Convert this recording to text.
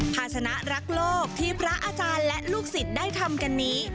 ภาษณะรักโลกที่พระอาจารย์และลูกศิษย์ได้ทำกันนี้